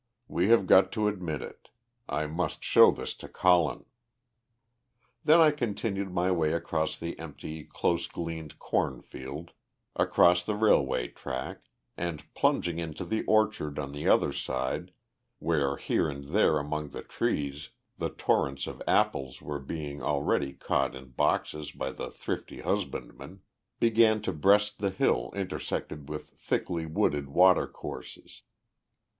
"We have got to admit it. I must show this to Colin." Then I continued my way across the empty, close gleaned corn field, across the railway track, and, plunging into the orchard on the other side, where here and there among the trees the torrents of apples were being already caught in boxes by the thrifty husbandman, began to breast the hill intersected with thickly wooded watercourses.